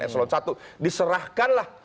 eselon i diserahkanlah